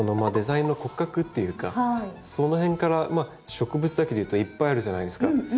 デザインの骨格っていうかそのへんから植物だけでいうといっぱいあるじゃないですか